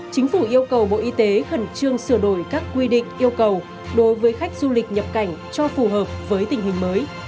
chính phủ yêu cầu bộ y tế khẩn trương sửa đổi các quy định yêu cầu đối với khách du lịch nhập cảnh cho phù hợp với tình hình mới